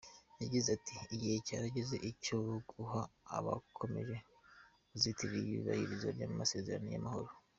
Yagize ati “Igihe cyarageze cyo guhana abakomeje kuzitira iyubahirizwa ry’amasezerano y’amahoro.